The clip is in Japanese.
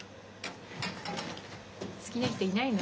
好きな人いないの？